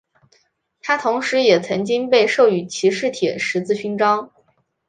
他同时也曾经被授予骑士铁十字勋章。